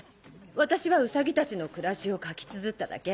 私はウサギたちの暮らしを書きつづっただけ。